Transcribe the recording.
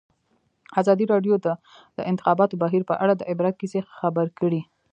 ازادي راډیو د د انتخاباتو بهیر په اړه د عبرت کیسې خبر کړي.